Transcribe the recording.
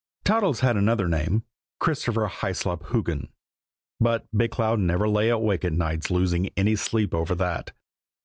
Toddles had another name Christopher Hyslop Hoogan but Big Cloud never lay awake at nights losing any sleep over that.